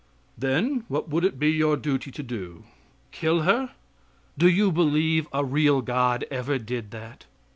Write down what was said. Then what would it be your duty to do kill her? Do you believe a real God ever did that?